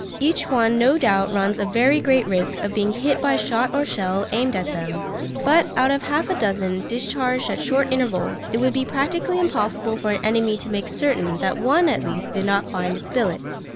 Each one no doubt runs a very great risk of being hit by shot or shell aimed at them; but out of half a dozen, discharged at short intervals, it would be practically impossible for an enemy to make certain that one at least did not find its billet.